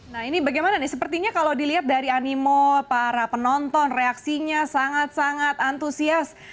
nah ini bagaimana nih sepertinya kalau dilihat dari animo para penonton reaksinya sangat sangat antusias